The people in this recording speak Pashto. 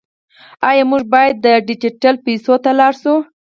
آیا موږ باید ډیجیټل پیسو ته لاړ شو؟